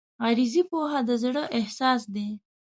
غریزي پوهه د زړه احساس دی.